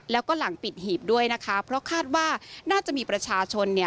แล้วก็หลังปิดหีบด้วยนะคะเพราะคาดว่าน่าจะมีประชาชนเนี่ย